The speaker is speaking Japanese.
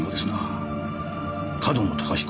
上遠野隆彦